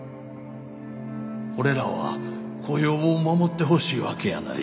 俺らは雇用を守ってほしいわけやない。